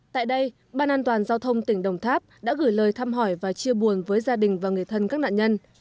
tại đây ban an toàn giao thông tỉnh đồng tháp đã gửi lời thăm hỏi và chia buồn với gia đình và người thân các nạn nhân